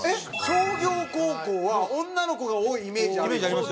商業高校は女の子が多いイメージあるよ。